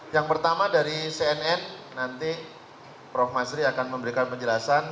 yang pertama dari cnn nanti prof masri akan memberikan penjelasan